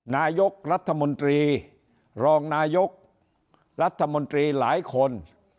นายกรัฐมนตรีรองนายกรัฐมนตรีหลายคน